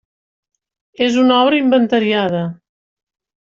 És una obra inventariada.